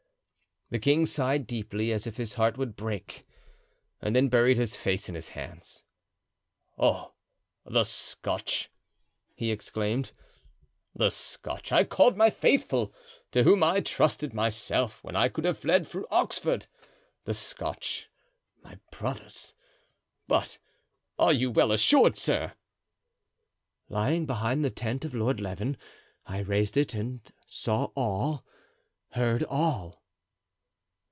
The king sighed deeply, as if his heart would break, and then buried his face in his hands. "Oh! the Scotch," he exclaimed, "the Scotch I called 'my faithful,' to whom I trusted myself when I could have fled to Oxford! the Scotch, my brothers! But are you well assured, sir?" "Lying behind the tent of Lord Leven, I raised it and saw all, heard all!"